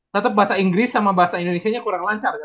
tetep bahasa inggris sama bahasa indonesia nya kurang lancar